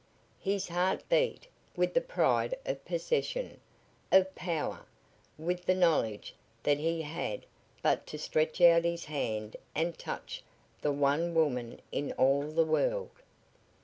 His heart beat with the pride of possession, of power, with the knowledge that he had but to stretch out his hand and touch the one woman in all the world.